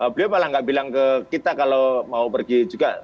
beliau malah nggak bilang ke kita kalau mau pergi juga